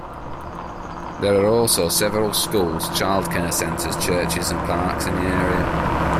There are also several schools, child care centres, churches and parks in the area.